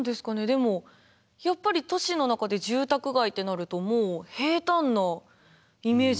でもやっぱり都市の中で住宅街ってなるともう平たんなイメージなんで。